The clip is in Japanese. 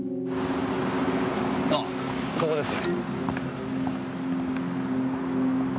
あっここです。